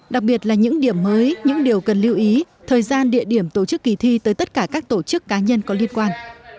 đặc biệt là những điểm mới những điều cần lưu ý thời gian địa điểm tổ chức kỳ thi tới tất cả các tổ chức cá nhân có liên quan